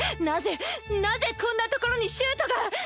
なぜなぜこんな所にシュートが。